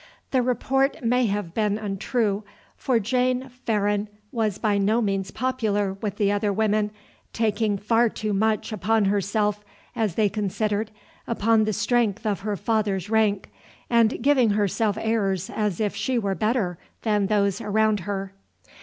The report may have been untrue, for Jane Farran was by no means popular with the other women, taking far too much upon herself, as they considered, upon the strength of her father's rank, and giving herself airs as if she were better than those around her.